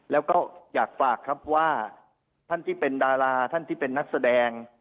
แล้วก็อยากฝากครับว่าท่านที่เป็นดาราท่านที่เป็นนักแสดง